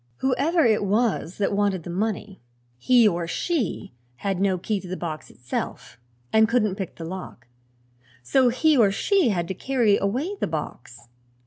Whoever it was that wanted the money, he or she had no key to the box itself and couldn't pick the lock; so he or she had to carry away the box.